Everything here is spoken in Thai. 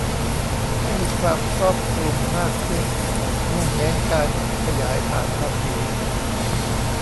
ให้มีความครอบคลุมมากขึ้น มุ่งเน้นการขยายฐานภาษี